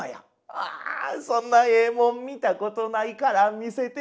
「あそんなええもん見たことないから見せてくれるか」。